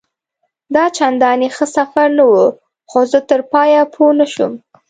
دا چنداني ښه سفر نه وو، خو زه تر پایه پوه نه شوم.